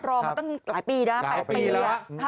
รอมาตั้งหลายปีแล้วหลายปีแล้ว